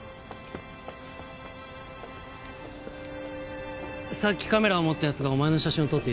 さっきカメラを持った奴がお前の写真を撮っていた。